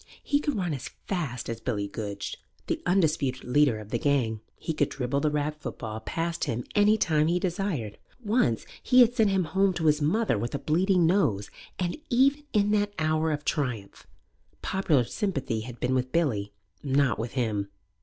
He could run as fast as Billy Goodge, the undisputed leader of the gang; he could dribble the rag football past him any time he desired; once he had sent him home to his mother with a bleeding nose, and, even in that hour of triumph, popular sympathy had been with Billy, not with him.